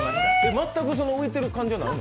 全く浮いてる感じはないの？